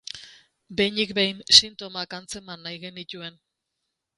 Behinik behin sintomak antzeman nahi genituen.